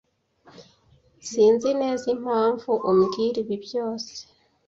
Sinzi neza impamvu u mbwira ibi byose.